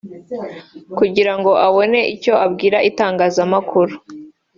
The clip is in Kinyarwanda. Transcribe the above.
kugirango abone icyo abwira itangazamakuru